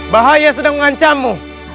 bahaya sedang mengancammu